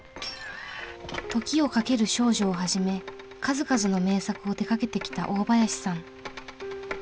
「時をかける少女」をはじめ数々の名作を手がけてきた大林さん。